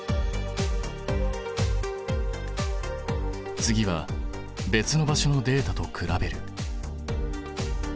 次は別の場所のデータと比べる。